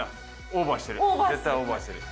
オーバーしてる。